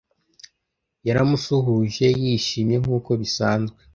yaramusuhuje yishimye nk'uko bisanzwe